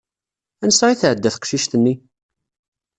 Ansa i tɛedda teqcicit-nni?